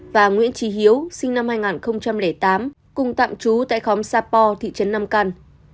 và nguyễn trí hiếu sinh năm hai nghìn tám cùng tạm trú tại khóm sà pò thị trấn năm căn